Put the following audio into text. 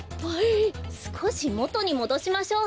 すこしもとにもどしましょう。